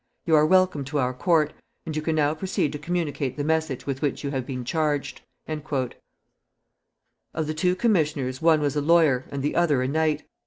You are welcome to our court. And you can now proceed to communicate the message with which you have been charged." Of the two commissioners, one was a lawyer, and the other a knight.